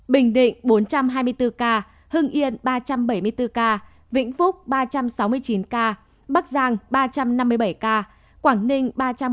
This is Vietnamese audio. bình định bốn trăm hai mươi bốn ca hưng yên ba trăm bảy mươi bốn ca vĩnh phúc ba trăm sáu mươi chín ca bắc giang ba trăm năm mươi bảy ca quảng ninh ba trăm ba mươi